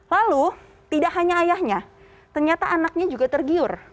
lalu tidak hanya ayahnya ternyata anaknya juga tergiur